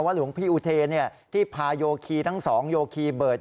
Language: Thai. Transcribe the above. ว่าหลวงพี่อูเทเนี่ยที่พาโยครีทั้งสองโยครีเบิฌ